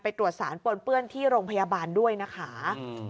ตรวจสารปนเปื้อนที่โรงพยาบาลด้วยนะคะ